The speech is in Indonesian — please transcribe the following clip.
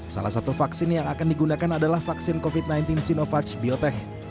salah satu vaksin yang akan digunakan adalah vaksin covid sembilan belas sinovac biotech